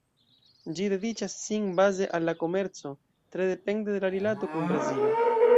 Ĝi dediĉas sin baze al la komerco, tre depende de la rilato kun Brazilo.